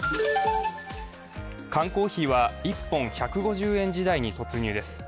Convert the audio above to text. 缶コーヒーは１本１５０円時代に突入です。